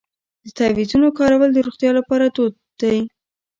د تعویذونو کارول د روغتیا لپاره دود دی.